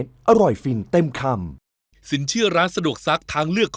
ปล่อยปล่อยปล่อยโป้งมันเหรอต้องได้ถูกใจรีข์สิ่งนี้